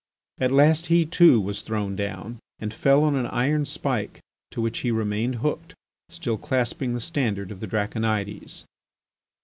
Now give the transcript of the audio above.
At last he, too, was thrown down, and fell on an iron spike, to which he remained hooked, still clasping the standard of the Draconides.